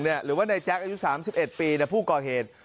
หรือว่านายแจ๊คอายุ๓๑ปีผู้ก่อเหตุ